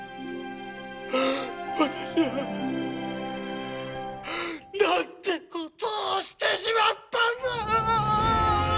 私はなんてことをしてしまったんだ！